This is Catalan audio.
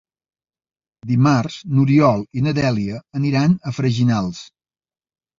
Dimarts n'Oriol i na Dèlia aniran a Freginals.